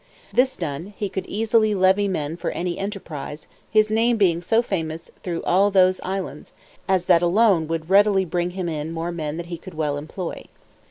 This done, he could easily levy men for any enterprise, his name being so famous through all those islands as that alone would readily bring him in more men than he could well employ.